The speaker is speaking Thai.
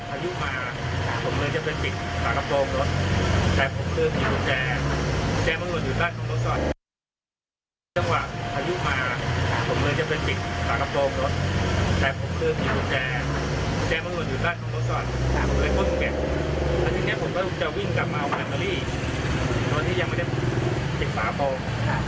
อันนี้ผมก็จะวิ่งกลับมาวาทะลีโดนที่ยังไม่ได้เก็บฝาโปรง